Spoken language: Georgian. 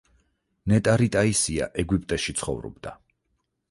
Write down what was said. ნეტარი ტაისია ეგვიპტეში ცხოვრობდა.